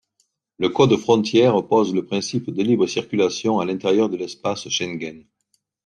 Le Code frontière pose le principe de libre circulation à l'intérieur de l'espace Schengen.